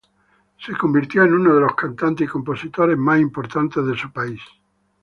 Se convirtió en uno de los cantantes y compositores más importantes de su país.